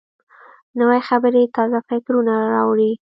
نوې خبرې تازه فکرونه راوړي